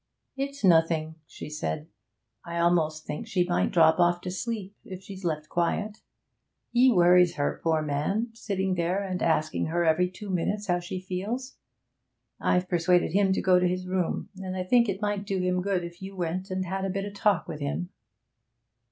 'It's nothing,' she said. 'I almost think she might drop off to sleep, if she's left quiet. He worries her, poor man, sitting there and asking her every two minutes how she feels. I've persuaded him to go to his room, and I think it might do him good if you went and had a bit o' talk with him.'